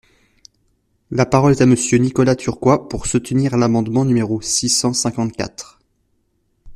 La parole est à Monsieur Nicolas Turquois, pour soutenir l’amendement numéro six cent cinquante-quatre.